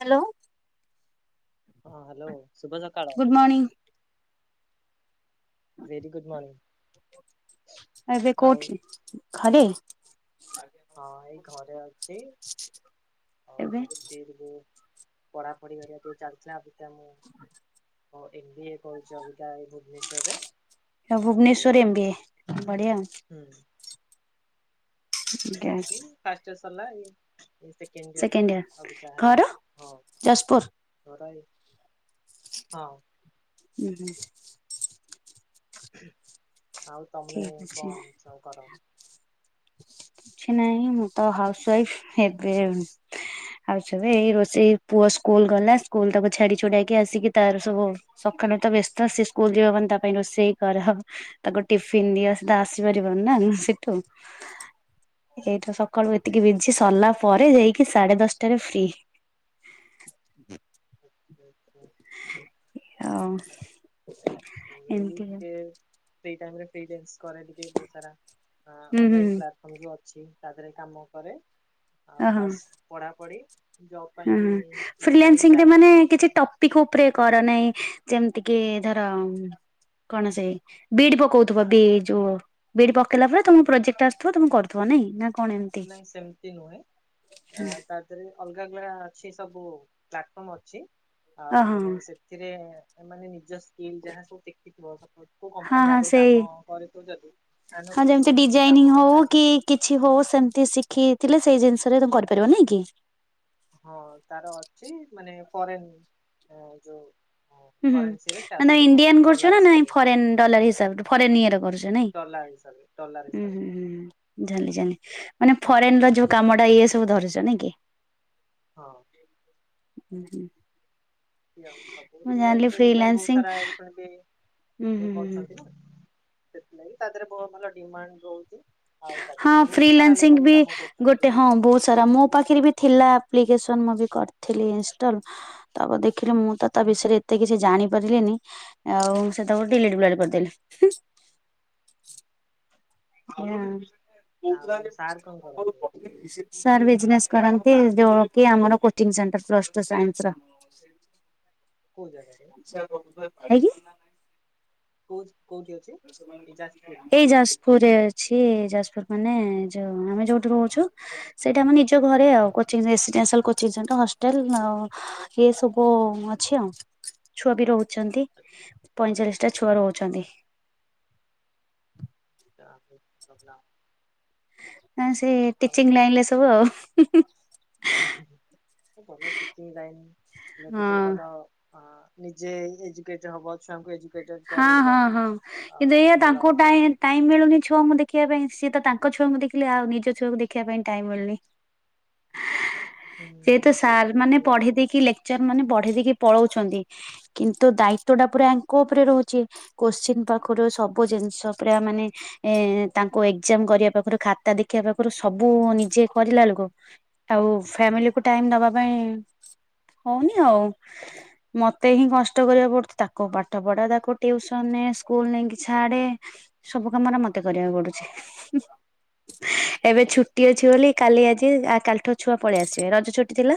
Hello. ହଁ hello ଶୁଭ ସକାଳ। ମଣିଙ୍ଗ୍। Very good morning. ଏବେ କୋଉଠି ଘରେ। ହଁ ଏଇ ଘରେ ଅଛି ଆଉ ଏବେ ଏଇ ଯୋଗୁ ପଢାପଢି ଘରିକା ଟିକେ ଚାଲଚି ଆ ଭିତେରେ ମୁଁ ଓ ଏମ୍ ବି ଏ କରୁଚି ଅବିକା ଆଉ ଭୁବନେଶ୍ୱରରେ। ଆଉ ଭୁବନେଶ୍ଵରରେ ଏମ୍ ବି ଏ ବଢିଆ ଉଁ। ହୁଁ। ଚାଲିଚି ପାଷ୍ଟ୍ ଇଅର୍ ସରିଲା ଆଉ। ଏଇ ସେକେଣ୍ଡ ଇଅର୍ ଅବିକା ହେଲା ଘର ହଉ। ଯାଜପୁର ହଉ ରଇଲି ହଁ। ଉଁ ହୁଁ। ଆଉ ତମେ ଠିକ ଅଛି କଁ ସବୁ କର? କିଛି ନାହିଁ ମୁଁ ତ ହାଉସ୍ ୱାଇଫ୍ ହେବେ ଉଁ ଆଉ ସବୁ ଏଇ ରୋଷେଇ ପୁଅ ସ୍କୁଲ ଗଲା ସ୍କୁଲ ତାକୁ ଛାଡି ଛୁଡାକି ଆସିକି ତାର ସବୁ ସକାଳୁ ତ ବେସ୍ତ ସେ ସ୍କୁଲ ଯିବ ମାନେ ତା ପାଇଁ ରୋଷେଇ କରା ହବ। ତାକୁ ଟିଫିିନ ଦିଅ ସେ ତ ଆସିପାରିବନି ନା ସେଠୁ। ଏଇଟା ସକାଳୁ ଏତିକି ବିଝି ସରିଲା ପରେ ଯାଇକି ସାଡେ ଦଶଟାରେ ଫ୍ରି। [unintelligible] ଆଉ ମୁଁ ଏଇ ଏମିତି ଟିକେ ଫ୍ରି ଟାଇମରେ ଫ୍ରିଲ୍ୟାନ୍ସ କରେ ଟିକେ ବୋହୁତ ସାରା ଆଁ ହୁଁ ହୁଁ ଅନଲାଇନ ପ୍ଲାଟ୍ ଫମ୍ ଯୋଉ ଅଛି ତା ଧେରେ କାମ କରେ ଆଉ ପ୍ଲସ୍ ପଢା ପଢି। ହୁଁ ଫ୍ରିଲ୍ୟାସିଂରେ ମାନେ କିଛି ଟପ୍ ପିଖ୍ ଉପରେ କର ନାଇଁ ଯେମତି କି ଧର ଉଁ କଣ ସେଇ ବିଡି ପକଉଥିବା ବି ଯୋଉ ବିଡି ପକେଇଲା ପରେ ତମୁକୁ ପ୍ରୋଜେକ୍ଟ ଆସୁଥୁବ ତମେ କରୁଥୁବ ନାଇଁ ନା କଣ ଏମିତି ନାଇଁ ସେମିତି ନୁହେଁ ଆ ତା ଧେରେ ଅଲଗା ଅଲଗା ଅଛି ସବୁ ପ୍ଲାଟଫମ୍ ଅଛି ଆଉ ଓହୋ ମାନେ ସେ ଥିରେ ଏ ମାନେ ନିଜ ସ୍ କିଲ୍ ଯାହା ସବୁ ଦେଖିଥିବ ସପୋଜ୍ କୋଉ ହଁ କମ୍ପାନୀରେ ହଁ ଆଗୁରୁ ସେଇ କାମ କରିଥିବ ଯଦି ଆନୁ ହଁ ଯେମିତି ଟେସନିଂ ଡିଜାଇନିଂ ହଉ କାମଥାଏ। କି କିଛି ହଉ ସେମିତି ଶିଖିଥିଲେ ସେଇ ଜିନିଷରେ ତ କରିପାରିବ ନାଇଁ କି। ହଁ ତାର ଅଛି ମାନେ ଫରେନ ଯୋଉ ହୁଁ ହୁଁ କରେନ୍ସିରେ ସେ ମାନେ ଆସିବ ଇଣ୍ଡିଆନ୍ କରୁଛ ଡଲାର ନା ନାଇ ହିସାବରେ। ଫରେନ ଡଲାର ହିସାବରେ ଫରେନ ଇଏର କରୁଛ ନାଇଁ। ଡଲାର ହିସାବରେ ଡଲାର ଉୁଁ ହିସାବରେ ହୁଁ ହୁଁଁ ଜାଣିଲି ଜାଣିଲି ମାନେ ଫରେନ ର ଯୋଉ କାମ ଟା ଇଏ ସବୁ ଧରୁଛ ନାଇଁ କି। ହଁ ହୁଁ ହୁଁ। ଉ ସବୁ ମୁଁ ଏଇଆ ଏଇ ଜାଣିଲି ଫିଲ୍ ପାଇଁ ବହୁତ ଫ୍ରିଲାନ୍ସିଂ ସାରା ଏ ଶୁଣିବେ। ହୁଁ ଇ ହୁଁ ହୁଁ କରୁଛନ୍ତି ନା। ସେଥିଲାଗି ତା ଦେହରେ ବହୁତ ଭଲ ଡିମାଣ୍ଡ ରହୁଛି। ଆଉ ତାରେ ହଁ ବହୁତ ସାରା ଫ୍ରିଲାନସିଂ ଲୋକ ବି କାମ କରୁଛନ୍ତି। ଗୋଟେ ହଁ ବହୁତ ସାରା ମୋ ପାଖରେ ବି ଥିଲା ଆପ୍ଲିକେସନ ମୁଁ ବି କରିଥିଲି ଇନଷ୍ଟଲ ତ ଦେଖିଲି ମୁଁ ତ ତା ବିଷୟରେ ତେ କିଛି ଜାଣି ପାରିଲେନି। ଆଉ ସେ ତାକୁଡିଲିଟ ବ କରିଦେଲେ। ଆଉ ସାର୍ କଣ କରନ୍ତି? [unintelligible] ସାର୍ ବିଜନେସ କରନ୍ତି। ଯଉ କି ଆମର coaching centre plus two science ର କେଉ ଜାଗାରେ? [unintelligible] କୋଉ କୋଉଠି ଅ ଏଇ ଜାଜ୍ ପୁର ଅଛି। ଯାଜପୁର ମାନେ ଯୋଉ ଆମେ ଯୋଉଠି ରହୁଛୁ। ସେଇଟା ଆମ ନିଜ ଘରେ ଆଚ୍ଛା ଆଉ କୋଚିଙ୍ଗ [inaudible] ଦି ଚାରଟା ହଷ୍ଟେଲ ଆଉ ଏ ସବୁ ଅଛି ଆଉ ଛୁଆ ବି ରହୁ ଛନ୍ତି ପଇଁଚାଳିଶ ଟା ଛୁଆ ରହୁଛନ୍ତି। ଯାହା ହଉ ଭଲ ହ ସେ ଆଉ ଟିଚିଂ ଲାଇନରେ ସବୁ ଆଉ ହୁ-ହୁ ହୁ-ହୁ ଭଲ ଟିଚିଜ୍ ଲାଇନ ହେଲେ ହଁ ଟିକେ ଭଲ ହଁ ନିଜେ ଏଜୁକେଟ ହବ ଛୁଆଙ୍କୁ ଏଜୁ ହଁ-ହଁ-ହଁ କିନ୍ତୁ ଏଇଆ ଭଲ ତାଙ୍କୁ ଟାଇ ଟାଇମ୍ ମିଳୁନି ଛୁଆଙ୍କୁ ଦେଖିବା ପାଇଁ ସିଏ ତ ତାଙ୍କ ଛୁଆଙ୍କୁ ଦେଖିଲେ ଆଉ ନିଜ ଛୁଆକୁ ଦେଖିବା ପାଇଁ ଟାଇମ୍ ମିଳୁନି। ହୁଁ ଯେହେତୁ ସାର୍ ସେଇଟା ବି ମାନେ ଟିକେ ପଢ଼ି ଦେଇକି ଲେ ଚର ମାନେ ବଢେଇ ଦେଇକି ପଳଉଛନ୍ତି। କିନ୍ତୁ ଦାୟିତ୍ବ ଟା ପୁରା ଆଙ୍କ ଉପରେ ରହୁଛି। କୋଶ୍ଚିିନ ପାଖରୁ ସବୁ ଜିନିଷ ପୁରା ମାନେ ଏ ତାଙ୍କୁ ଏକ୍ଜାମ୍ କରିବା ପାଖରୁ ଖାତା ଦେଖିବା ପାଖରୁ ସବୁ ନିଜେ କରିଲା ବେଳକୁ ଆଉ ହୁଁ ଫ୍ୟାମିଲିକୁ ଟାଇମ ଦବା ପାଇଁ ହଉନି ଆଉ ମତେ ହିଁ କଷ୍ଟ କରିବାକୁ ପଡୁଛି ତାକୁ ପାଠ୍ ପାଠ ପଢା ତାକୁ ଟିୟୁସନ୍ ନେ ସ୍କୁଲ ନେଇକି ଛାଡ଼େ ସବୁ କାମରେ ମତେ କରିବାକୁ ପଡ଼ୁଛି। [unintelligible] ଏବେ ଛୁଟି ଅଛି ବୋଲି କାଲି ଆଜି କାଲିଠୁ ଛୁଆ ପଳେଇ ଆସିବେ ରଜ ଛୁଟି ଥିଲା।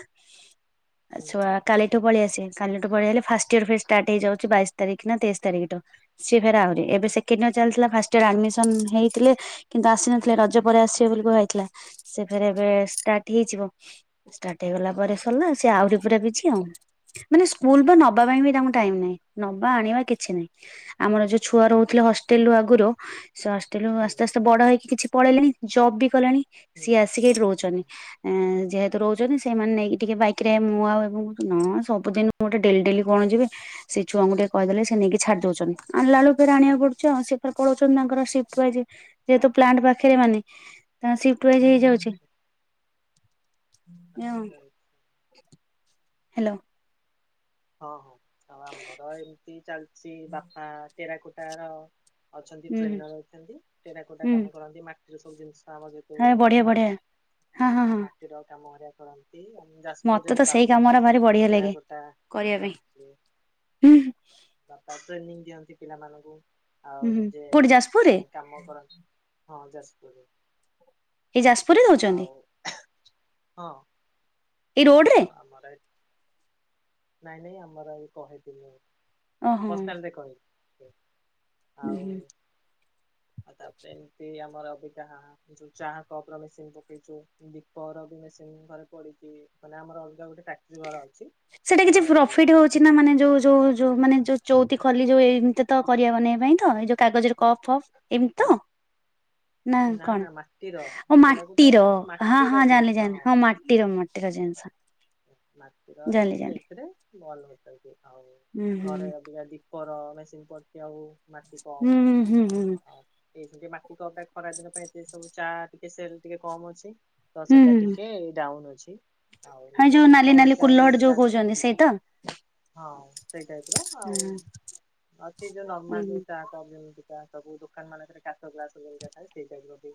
ହୁଁ ଆଛୁଆ କାଲିଠୁ ପଳେଇ ଆସେ କାଲିଠୁ ପଳେଇ ଆଲେ ଫାଷ୍ଟ ଟିୟର ଫିର୍ ଷ୍ଟାର୍ଟ ହେଇଯାଉଛି ବାଇଶ ତାରିଖ ନା ତେଇଶ ତାରିଖ ଟୁ ସିଏ ଫେର୍ ଆହୁରି ଏବେ ସେକେଣ୍ଡୟର ଚାଲିଥିଲା ଫାଷ୍ଟୟର ଆଡମିସନ ହେଇଥିଲେ କିନ୍ତୁ ଆସିନଥିଲେ ରଜ ହୁଁ ପରେ ଆସିବେ ବୋଲି କୁହାଯାଇଥିଲା ସେ ଫରେ ଏବେ ଷ୍ଟାର୍ଟ ହେଇଯିବ ଷ୍ଟାର୍ଟ ହେଇଗଲା ପରେ ସରିଲା ସେ ଆହୁରି ପୁରା ବିଜି ଆଉ। ମାନେ ସ୍କୁଲ ବା ନବା ପାଇଁ ବି ତାଙ୍କୁ ଟାଇମ ନାହିଁ। ନବା ଆଣିବା କିଛି ନାହିଁ। ଆମର ଯୋଉ ଛୁଆ ରହୁଥିଲେ ହଷ୍ଟେଲ ରୁ ଆଗରୁ ସସ୍ ତେଣୁ ହୁଁ ଆସ୍ତେ-ଆସ୍ତେ ବଡ଼ ହେଇକି କିଛି ପଳେଇଲେଣି। ଜବ୍ ବି କଲେଣି ହୁଁ ସିଏ ଆସିକି ହୁଁ ରହୁଛନ୍ତି। ଏ ଯେହେତୁ ରହୁଛନ୍ତି ସେମାନେ ନେଇକି ଟିକେ ବାଇକ ରେ ମୁଁ ଆଉ କହୁଛି ସବୁଦିନ ମୁ ଗୋଟେ ଡେଲି-ଡେଲି କଣ ଯିବି ସେଠ୍ ଛୁଆଙ୍କୁ ଟିକେ କହିଦେ ସେ ନେଇକି ଛାଡ଼ି ଦଉଛନ୍ତି ଆଣିଲାଲୁ ଫେର୍ ଆଣିବାକୁ ପଡୁଛି ଆଉ ସେ ପଳଉଛନ୍ତି ତାଙ୍କର ସିଫ୍ ୱାଇଯି ଯେହେତୁ ପ୍ଲାଣ୍ଟ ପାଖରେ ମାନେ ତା ସିଫଟ୍ ୱାଇଯି ହେଇ ଆଚ୍ଛା ହେଯାଉଛି ମିଆଉଁ ଆଚ୍ଛା। ହ୍ୟାଲୋ ହଁ-ହଁ ଆଉ ଆମର ଏମିତି ଚାଲିଚି ବାପା ଟେରାକୁଟାର ଅଛନ୍ତି ହୁଁ ହୁଁ ଟ୍ରେନର ଅଛନ୍ତି। ଟେରାକୋଟା ହୁଁ କାମ କରନ୍ତି ମାଟିର ସବୁ ଜିନିଷ ଆଣ ନ୍ତି। ହଁ ବଢିଆ କୁମ୍ଭାର ବଢିଆ ହଁ ହଁ ହଁ ମାଟିର କାମ ହେରିଆ କର ନ୍ତି ଆମ ମତେ ଯାଜପୁରରେ ତ ସେଇ ବାପା ହିଁ କାମରା ଭାରି ବଢିଆ ଲାଗେ ଟେରାକୋଟା ଇଏ କରିବା ପାଇଁ କରିଥିଲେ ହୁଁ। ବାପା ଟ୍ରେନିଂ ଦିଅନ୍ତି ପିଲାମାନଙ୍କୁ ଆଉ ହୁଁ ନିଜେ କୋଉଠି ଯାଜପୁରରେ [inaudible] କାମ କରନ୍ତି ହଁ ଯାଜପୁରରେ। ଏଇ ଯାଜପୁରରେ ତ ଆଉ ହଁ। ଏଇ ରୋଡ ରେ ଆ ଆମର ଏ ନାଇଁ ନାଇଁ ଆମର ଏଇ କହିଥିଲିରେ ଓହୋ। ପର୍ସନାଲ ଦେଖନ୍ତି। ହୁଁ ଆଉ ହୁଁ ଆଉ ତାପରେ ଏମତି ଆମର ଅବିକା ଏସବୁ ଚା କପର ମେସି ପକେଇଚୁ। ଦୀପର ବି ମେସିନ ଘରେ ପଡିଚି। ମାନେ ଆମର ଅଲଗା ଗୋଟେ କାଟ୍ରି ଘର ଅଛି। ସେଟି କିଛି ଆଉ ପ୍ରଫିଟ ହୋଉ ଚି ନା ମାନେ ଯୋଉ-ଯୋଉ-ଯୋଉ ମାନେ ଯୋଉ ଚୋଉତି ଖଲି ଯୋଉ ଏମିତି ତ କରି [unintelligible] ଏ ପାଇଁ ତ ଏଇ ଯୋଉ କାଗଜରେ କପ୍ ଫପ୍। ଏମିତି ତ ନା କଣ ମାଟିର ଓ ଟେରାକୋଟା ମାଟିର ମାନେ ମାଟିର ହଁ-ହଁ ଜାଣିଲି ଜିନିଷ ଜାଣିଲି ହଁ ମାଟିର ମାଟିର ଜିନିଷ। ମାଟିର ଏଇ ଜାଣିଲି ଜାଣିଲି। ସେଇଥିରେ ବଲ ବସାନ୍ତି। ଆଉ ହୁଁ ହୁଁ ଘରେ ଅବିକା ଦୀ ପର ମେସିନ୍ ପଡିଚି ଆଉ ମାଟି କପ୍ ହୁଁ ହୁଁ ହୁଁ ହୁଁ ଆଉ ଏଇସଙ୍ଗେ ଟିକେ ମାଟି କପ୍ ଟା ଖରା ଦିନ ପାଇଁ ସେ ସବୁ ଚା ଟିକେ ସେଲ ଟିକେ କମ୍ ଅଛି। ତ ହୁଁ ସେଟା ହୁଁ। ଟିକେ ଡାଉନ ଅଛି ଆଉ। ହଁ ନହେଲେ ଯୋଉ ନାଲି ଦିପ ନାଲି ହେରିକା ଏଇ କୁଲହଡ ଯୋଉ ଯା କହୁଛନ୍ତି ସେଇତ ହଁ ସେଇ ଟାଇପ୍ ର ଆଉ ହୁଁ ସେ ଯୋଉ ନର୍ମାଲ ହୁଁ ଯୋଉ ଚା କପ୍ ଯେମତି କା ସବୁ ଦୋକାନ ମାନଙ୍କରେ କାଚ ଗ୍ଲାସ ଯେମିତି ଥାଏ ସେଇ ଟାଇପର ବି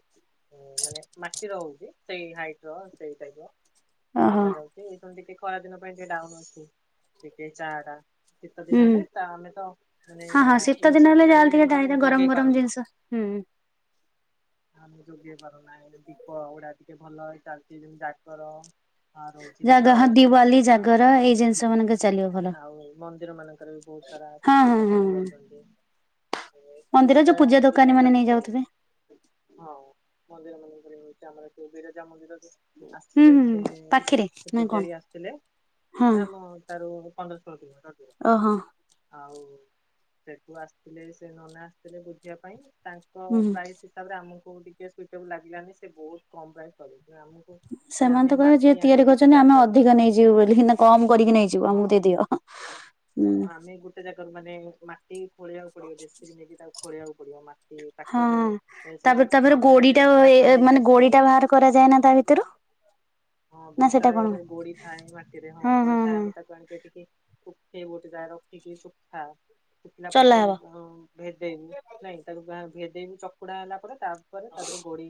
ହୁଁ ମାନେ ମାଟିର ହୋଉଚି ସେଇ ହାଇଟ ର ସେଇ ଟାଇପର ଓହୋ ବନା ଯାଉଚି। ଏଇ ସେମିତି କି ଖରାଦିନ ପାଇଁ ଟିକେ ଡାଉନ ଅଛି ଟିକେ ଚାଆ ଟା। ଶୀତ ହୁଁ। ଦିନ ହେଲେ ତା ଆମେତ ମାନେ ହଁ ହଁ ଶୀତ ଦିନ ହେଲେ ଯାହାହେଲେ ଟିକେ ଇନସଫିସେଣ୍ଟ ମାନେ ଟାହିରେ ଗରମ ଯୋଗେଇ ଗରମ ପାରୁନା। ଜିନିଷ ହୁଁ। [inaudible] ଆମେ ଯୋଗେଇ ପାରୁନା ଏଇ ଦୀପ ଗୁଡା ଟିକେ ଭଲରେ ଚାଲିଚି ଯେମିତି ଜାଗର ଆ ରହୁଚି। ଜାଗା ହଁ ଦୀପାବଳି ଦିୱାଲି ଆଉ, ଜାଗର ଏଇ ଜିନିଷ ମାନଙ୍କ ଚାଲିବ ଭଲ। ଆଉ ମନ୍ଦିର ମାନଙ୍କରେ ବି ବୋହୁତ ସାରା ଏ ହଁ ସ୍ତ୍ରୀ ହଁ ଲୋକ ହଁ ନେଇଯାଉଚନ୍ତି। ଏଇ ମନ୍ଦିର ତିନିଟା ଯୋଉ ପୂଜା ଦୋକାନୀ ମାନେ ଡିଜାଇନର ଦୀପ ନେଇଯାଉଥିବେ ରହୁଚି। ଆଉ ମନ୍ଦିର ମାନଙ୍କରେ ରହୁଚି ଆମର ଏ ଯୋଉ ବିରଜା ମନ୍ଦିରରେ ହୁଁ ଆସଥିଲେ ହୁଁ ଯେ ପାଖରେ ନା କଣ ପୂଜାରୀ ଆସିଥିଲେ ହଁ ନା ଆମ ଠାରୁ ପନ୍ଦର ଷୋହଳ କିଲୋମିଟର ଦୂର ଓହୋ ଆଉ ସେଠୁ ଆସିଥିଲେ ସେ ନନା ଆସିଥିଲେ ବୁଝିବା ପାଇଁ ତାଙ୍କ ହୁଁ। ପ୍ରାଇସି ହିସାବରେ ଆମକୁ ଟିକେ ସୁଇଟେବୁଲ ଲାଗିଲାନି ସେ ବୋହୁତ କମ ପ୍ରାଇସି କହିଲେ ତେଣୁ ଆମକୁ ପୁଣି ସେମାନେ ଆମେ ତ କହିବେ ଯିଏ ମାଟି ଆଣିବୁ ତିଆରି ଗୋଟେ କରୁଚି ଆମେ ଜାଗାରୁ ଅଧିକ ନେଇଯିବୁ ବୋଲି ନା କମ୍ କରିକି ନେଇଯିବୁ ହଁ ଆମକୁ ଦେଇଦିଅ ହୁଁ। ହଁ ଆମେ ଗୋଟେ ଜାଗାରୁ ମାନେ ମା ଟି ଖୋଳିବାକୁ ପଡିବ ଜେସିବି ନେଇକି ତାକୁ ଖୋଳିବାକୁ ପଡିବ। ମାଟି ହଁ। ଟ୍ରାକ୍ଟରରେ ଏ ସେଲ ତାପରେ ତାପରେ ଗୋଡିଟା ଏ ଏ ମାନେ ଗୋଡି ଟା ବାହାର କରାଯାଏ ନା ତା ଭିତରୁ? ହଁ ନା ବୋହୁତ ସେଟା ସାରା କଣ? ଇଏରେ ଗୋଡି ଥାଏ ମାଟିରେ ହଁ ଗୋଡି ଥାଏ। ଆମେ ତାକୁ ଆଣିକି ଏଠିକି ଶୁଖେଇବୁ ଗୋଟେ ଯାଗରେ ରଖିକି ଶୁଖା। ଶୁଖିଲା ପରେ ଚଲା ହବ। ତାକୁ ଭେଦେଇବୁ ନାଇଁ ତାକୁ ବା ଭେଦେଇବି ଚକୁଡା ହେଲା ପରେ ତା ପରେ ତା ଦେହରୁ ଗୋଡି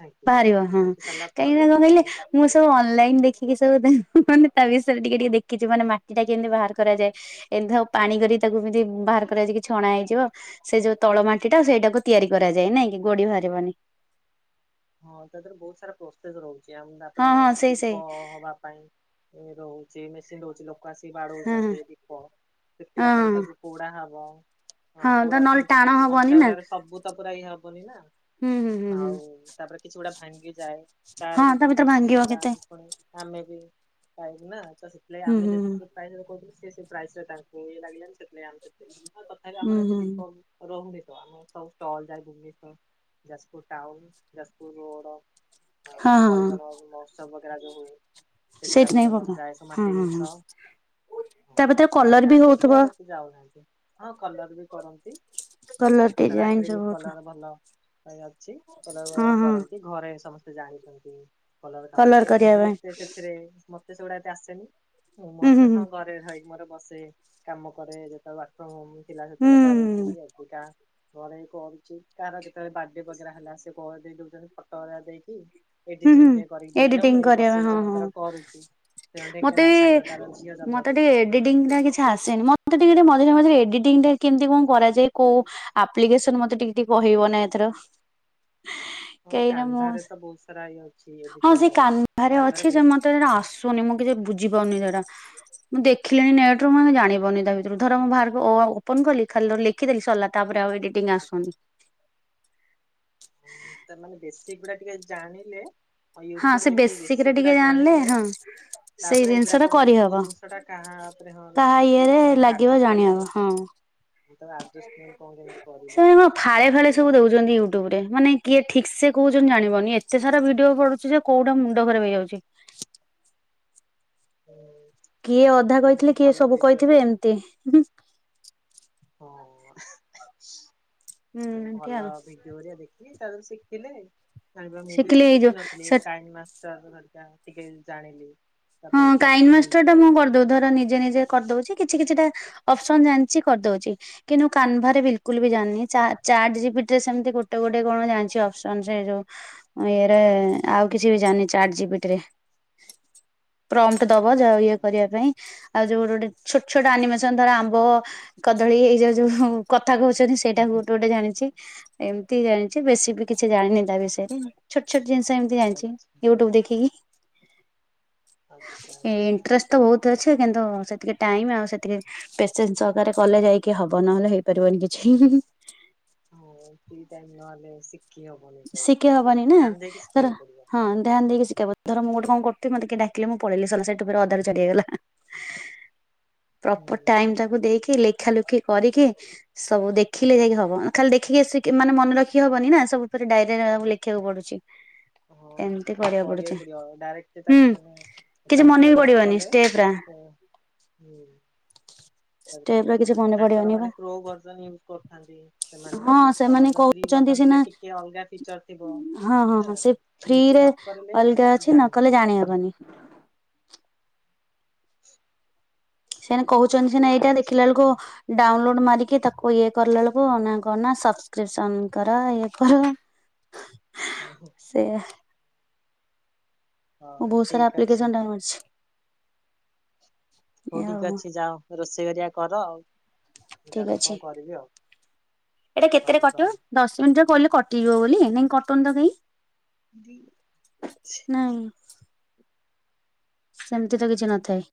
ଛାଙ୍କିବୁ ବାହାରିବ ହଁ ଛାଙ୍କି ସାରିଲା କାହିଁକି ପରେ ନା କଣ କହିଲେ ହୋଉ ମୁଁ ସବୁ ଅନଲାଇନି ଦେଖିକି ସବୁ ଦେ ମାନେ ତା ବିଷୟରେ ଟିକେ ଟିକେ ଦେଖିଚି ମାନେ ମାଟି ଟା କେମିତି ବାହାର କରାଯାଏ। ଏମିତି ଧ ପାଣି କରି ତାକୁ ଏମିତି ବାହାର କରାଯାଇକି ଛଣା ହେଇଯିବ। ସେ ଯୋଉ ତଳ ମାଟି ଟା ସେଇଟାକୁ ତିଆରି କରାଯାଏ ନାଁଆ କି ଗୋଡି ବାହାରିବନି। ହଁ ତା ଦେହରେ ବୋହୁତ ସାରା ପ୍ରୋସେସ ରହୁଚି। ଆଉ ତାପରେ ହଁ ହଁ ସେଇ ସେଇ ଦୀପ ହବା ପାଇଁ ଏ ରହୁଛି ମେସିନ୍ ରହୁଛି ଲୋ କ ଆସି ହଁ ବାଡଉଛନ୍ତି ଦୀପ ଶୁଖିଲା ହଁ ପରେ ହଁ ତାକୁ ପୋଡା ହବ ହଁ କଉଡା ନହେଲେ ଫୁଣି ତ ଟାଣ ସବୁ ହବନି ନା କଞ୍ଚାଗୁଡାରେ ସବୁ ତ ପୁରା ଇଏ ହବନି ନା ହୁଁ ହୁଁ ହୁଁ ହୁଁ ଆଉ ତାପରେ ଭାଙ୍ଗି ଯାଏ ତାର ହଁ ତା ଭିତରେ ଭାଙ୍ଗିବ କମ୍ପେନସେସନ କେତେ ଆମେ ବି ପାଇବୁନା ତ ସେଥିଲାଗି ହୁଁ ଆମେ ହୁଁ ଯଦି ପ୍ରାଇସ କହୁଥିଲେ ସେ ସେ ପ୍ରାଇସ ରେ ତାଙ୍କୁ ଇଏ ଲାଗିଲାଣି ସୋଇ ଆମେ ସେ ତଥାପି ହୁଁ ଆମର ଏଠି ହୁଁ ଦୀପ ରୋମ ବିିତ ଆମ ସବୁ ଷ୍ଟଲ ଯାଏ ଯାଜପୁର ଟାଉନ ଯାଜପୁର ରୋଡ଼ ହଁ ଉ ହଁ କଳିଙ୍ଗନଗର ମହୋତ୍ସବ ବଗେରା ଯଉ ହୁଏ ସେଗୁଡା ସେଇଥି ବିି ନାଗି ଆମର ପକା ଯାଏ ସ ହଁ ମାଟି ହଁ ହଁ ଜିନିଷ ହଁ ତା ଭିତରେ ବାପା କଲର ବି ଯାଆନ୍ତି ଏବେ ହଉଥିବ ଆଉ ଏତେ ଯାଉ ଯାଆନ୍ତି ହଁ କଲର ବି କରନ୍ତି। କଲର ତାର ଡିଜାଇନ ଆକ୍ରିମିକ ସବୁ ହଉଥିବ କଲର ଭଲ। ଭାଇ ଅଛି ହଁ ହଁ କରନ୍ତି ଘରେ ସମସ୍ତେ ଜାଣିଛନ୍ତି। କଲର କାମ କରିବା ମୁଁ ଏତେ ସେଥିରେ ମତେ ସେଗୁଡା ଏତେ ଆସେନି ହୁଁ ହୁଁ ମୋତେ ହଁ ଘରେ ଖାଇକି ମୋର ବସେ କାମ କରେ ଯେତେ ୱାର୍କଅପ୍ ହଉ ଥିଲା ହୁଁ ସେତେବେଳେ ହୁଁ କରେଇଥିଲି ଏବେକା ଘରେ ହିଁ କରୁଛି କାହାର କେତେବେଳେ ବାର୍ଥଡେ ବଗେରାହେଲା [unintelligible] ସେ ଫଟ ହେଇକା ଦେଇକି ହୁଁ ଏଡିଟିଂ ହୁଁ କରିକି ଦେଇଦିଅ ଏଡିଟିଂ ମୁଁ ଏଇ କରିବା ପାଇଁ ବସିକି ହଁ ହଁ ଜଣଙ୍କର କରୁଛି ସେ ଅ ମତେ [unintelligible] ବି ସାଙ୍ଗ ତାଙ୍କ ଝିଅ ମତେ ଟିକେ ଜନ୍ମଦିନ କାଲିଯ ଏଡିଟିଂ ଟା କିଛି ଆସେନି ମତେ ଟିକେ ଟିକେ ମଝିରେ ମଝିରେ ଏଡିଟିଂ ଟା କେମିତି କଣ କରାଯାଏ କୋଉ ଆପ୍ ପ୍ଲିକେସନ ମତେ ଟିକେ କହିବ ନା ଏଥର ହଁ କେହିଁ ମୁଁ କାନ୍ଭାରେ ତ ବହୁତ ସାରା ଇଏ ଅଛି। ହଁ ଏଡିଟିଂ ସେ କରିବା କାନ୍ଭା ପାଇଁ। ରେ କାନ୍ଭାରେ ଅଛି ବହୁତ ସେ ମତେ ସେଟା ଆସୁନି ମୁଁ କିଛି ବୁଝିପାରୁନି ସେଇଟା। ମୁଁ ଦେଖିଲିଣି ନେଟ ରୁ ମୁଁ ଜାଣିପାରୁନି ତା ଭିତରୁ ଧର ମୁଁ ବାହାରକୁ ଓପନ କଲି ଖାଲିି ଲେ ଖିଦେଲି ସରିଲା ତାପରେ ଆଉ ଏଡିଟିଂ ଆସୁନି। ମାନେ ବେଶିକ୍ ଗୁଡା ଟିକେ ଜାଣିଲେ ଆଉ ହଁ ୟୁଟ୍ୟୁବ ସେ ଦେଖି ବେସିକ ରେ ବେଶୀକ୍ ଗୁଡା ଟିକେ ଜାଣିଲେ ହଁ ସେଇ ତାପରେ ଜିନିଷ ଟା ଏଗୁଡାକ ମାନେ କୋଉ କରିହବ ଜିନିଷ ସେଟା କାହା ଉପରେ ହଁ କାହା ଇଏରେ ଲଗେଇଲେ କଣ କେତି ଲାଗିବ ଆଡଜଷ୍ଟ କଲେ ଜାଣିହବ ହଁ। ଆଡଜଷ୍ଟମେଣ୍ଟ କଣ କେମିତି କରିବ ସେମାନେ ଫାଳେ ଫାଳେ ସେଗୁଡା ସବୁ ଦଉଛନ୍ତି ୟୁ ଟ୍ୟୁବରେ ମାନେ କିଏ ଠିକ ସେ କହୁଛନ୍ତି ଜାଣିପାରୁନି ଏତେ ସାରା ଭିଡିଓ ପଡୁଛି କୋଉଟା ମୁଣ୍ଡ ଖରାପ ହେଇଯାଉଛି। ହୁଁ। କିଏ ଅଧା ଇଏ ମାନେ କହିଥିଲେ କିଏ ଭଲ ସବୁ ଭିଡିଓ କହିଥିବେ ଦେଖ ଏମିତି। ହୁଁ ଏମିତି ଭଲ ଆଉ ବି ରିବା ଦେଖି ତାହାରୁ ଶିଖିଲେ ଜାଣିବ ମୁଁ ବି ଶିଖିଲି ଏତେ ଏଇ ଯୋଉ ଶିଖିନଥିଲି ସେ କାଇନ୍। [unintelligible] ଟିକେ ଜାଣିଲି। ହଁ ତାପରେ ଏଟା କାଇଣ୍ଡ ଟିକେ ୟୁଜ ମାଷ୍ଟର ଟା ମୁଁ କରୁଛି କରିଦଉ ଧର ନିଜେ ନିଜେ କରିଦଉଛି କିଛି କିଛିଟା। ଅପସନ ଜାଣିଛି କରିଦଉଛି। କିନ୍ତୁ କାନଭାରେ ବିଲକୁଲ ବି ଜାଣିିନି ଚାଟ୍ ଜିପିଟି ରେ ସେମିତି ଗୋଟେ ଗୋଟେ କଣ ଜାଣିଛି ଅପସନ ସେ ଯୋଉ ମୁଁ ଇଏରେ ଆଉ କିଛି ବି ଜାଣି ଚାଟ ଜିପିଟିରେ। ପ୍ରମ୍ଟ ଦବ ଯ ଇଏ ଆଚ୍ଛା କରିବା ପାଇଁ ଆଉ ଯୋଉ ଗୋଟେ ଛୋଟ ଛୋଟ ଆନିମେସନ ଧର ଆମ୍ବ କଦଳୀ ଏଇ ଯୋଉ ଯୋଉ କଥା କହୁଛନ୍ତି ସେଇଟା ଗୋଟେ ଗୋଟେ ଜାଣିଛି। ଏମିତି ଜାଣିଛି ବେଶୀ ବି କିଛି ଜାଣିନି ତା ବିଷୟରେ ଛୋଟ ଛୋଟ ଜିନିଷ ଏମ ତି ଜାଣିଛି ଆଚ୍ଛା ୟୁଟ୍ୟୁବ ଦେଖିକି। ଆଚ୍ଛା ଆଚ୍ଛା। ଇଣ୍ଟରେଷ୍ଟ ତ ବହୁତ ଅଛି କିନ୍ତୁ ସେତିକି ଟାଇମ ଆଉ ସେତିକି ପେସେଣ୍ସ ସହକାରେ କଲେ ଯାଇକି ହବ ନହେଲେ ହେଇପାରିବନି କିଛି। ହଁ ଠିକ୍ ଟାଇମ ନହେଲେ ଶି ଶିଖି ହବନି ନା ତାର ଶିଖିବାକୁ ପଡିବ। ହଁ ଧ୍ୟାନ ଦେଇକି ଶିଖେଇବ। ଧର ମୁଁ ଗୋଟେ କଣ କରୁଥିଲି ମତେ କିଏ ଡାକିଲେ ମୁଁ ପଳେଇଲିି ସଲା ସେଠୁ ପୁରା ଅଧାରୁ ଛାଡ଼ିହେଇଗଲା। ହୁଁ ପ୍ରପର ଟାଇମ ତାକୁ ଦେଇକି ଲେଖା ଲୁଖି କରିକି ସବୁ ଦେଖିଲେ ଯାଇକି ହବ ଖାଲି ଦେଖିକି ମାନେ ମନେ ରଖି ହବନି ନା ସବୁ। ମତେ ଡାଇରୀ ରେ ଲେଖିବାକୁ ପଡୁଛି। ହଁ ଏମିତି ତାର କରିବାକୁ ପଡୁଛି କରିବାର ଥିଲା ଡାଇଟ ହୁଁ ତାକୁ ମାନେ କିଛି ମନେ ବି ପ୍ରାକ୍ଟିକାଲ ନ ପଡିବନି କଲେ। ଷ୍ଟେପରା। ହ ହୁଁ। ତାପରେ ଷ୍ଟେପରା କିଛି ମନେ ତାଙ୍କର ପଡିବନି ବା ମାନେ କ୍ରୋ ଭର୍ଜନ ୟୁଜ କରିଥାନ୍ତି ସେମାନେ। ହଁ ସେମାନେ ତମର ଯ ପ୍ରି କହୁଛନ୍ତି ଭଜନ ସିନା ଥିଲେ ଟିକେ। ଅଲଗା ଫିଚର ଥିବଁ ହଁ ହଁ ସେ ନିଜେ ନକିଲେ ଜାଣି ହବନି। ବାନି। [inaudible] ସେମାନେ ହଉ କହୁଛନ୍ତି ସିନା ଠିକ ଏଇଟା ଅଛି। ଦେଖିଲା ବେଳକୁ। ଡାଉନଲୋଡ୍ ମାରିକି ତାକୁ ଇଏ କରିଲା ବେଳକୁ ନା କଣ ନା ସବସ୍କ୍ରିପସନ୍ କର ଇଏ କର। [unintelligible] ଓହୋ। ସେୟା। ମୁଁ ହଉ ଭୁସର ଠିକ ଅଛି ଆପ୍ଲିକେସନ୍ ଡାଉନଲୋଡ ରିଛି। ହଉ ଏଇଆ ଠିକ ଆଉ। ଅଛି ଯାଅ ରୋଷେଇ ହରିଆ କର ଆଉ। ମୁଁ ଠିକ୍ ଯାଉଛି ଅଛି କଣ କରିବି ଆଉ ଏଇଟା କେତେରେ ହଉ କଟିବ ରହିଁ। ଦଶ ମିନିଟ୍ କହିଲେ କଟିଯିବ ବୋଲି ନାଇଁ କଟୁନ୍ତ ତ କେହି। ଦି ଛି ନାଇଁ ସେମିତି ତ କିଛି ନଥାଏ।